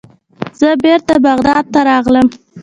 زه بیرته بغداد ته راغلم.